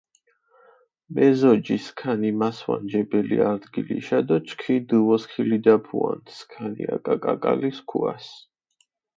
მეზოჯი სქანი მასვანჯებელი არდგილიშა დო ჩქი დჷვოსქილიდაფუანთ სქანი აკა კაკალი სქუას.